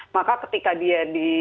maka ketika dia di